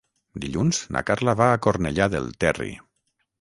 Dilluns na Carla va a Cornellà del Terri.